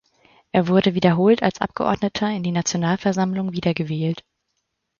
Er wurde wiederholt als Abgeordneter in die Nationalversammlung wiedergewählt.